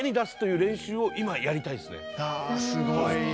あすごい。